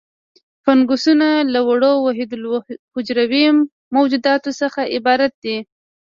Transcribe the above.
فنګسونه له وړو وحیدالحجروي موجوداتو څخه عبارت دي.